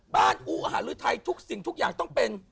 อูอาหารหรือไทยทุกสิ่งทุกอย่างต้องเป็น